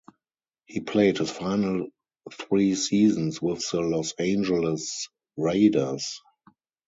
He played his final three seasons with the Los Angeles Raiders.